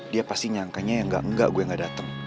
dia pasti nyangkanya yang gak enggak gue gak dateng